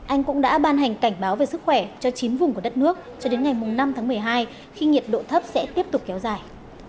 anh cũng đã ban hành cảnh báo về sức khỏe cho chín vùng của đất nước cho đến ngày năm tháng một mươi hai khi nhiệt độ thấp sẽ tiếp tục kéo dài